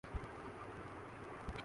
چونکہ یہ جگہیں خاص طور پر پودے